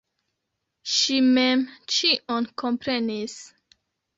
Ŝi mem ĉion komprenis.